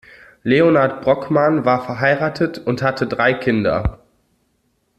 Leonhard Brockmann war verheiratet und hatte drei Kinder.